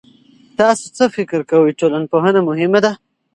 تاسو څه فکر کوئ، ټولنپوهنه مهمه ده؟